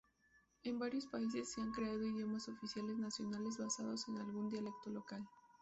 En varios países se han creado idiomas oficiales nacionales basados en algún dialecto local.